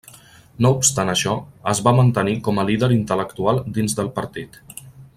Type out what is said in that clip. No obstant això, es va mantenir com a líder intel·lectual dins del Partit.